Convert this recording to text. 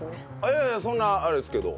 いやいやそんなあれですけど。